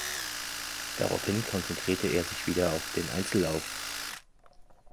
Daraufhin konzentrierte er sich wieder auf den Einzellauf.